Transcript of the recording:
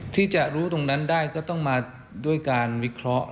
ที่จะรู้ตรงนั้นได้ก็ต้องมาด้วยการวิเคราะห์